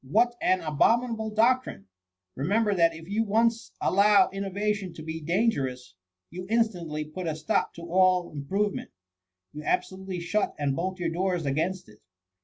What an abominable doctrine! Remember, that if you once allow innovation to be dan gerous, you instantly put a stop to all improve ment — ^you absolutely shut and bolt your doors against it.